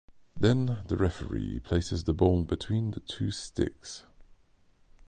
Then the referee places the ball between the two sticks.